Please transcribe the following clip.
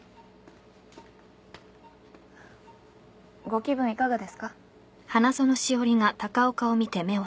ご気分いかがですか？